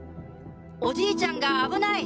おじいちゃんが危ない！」。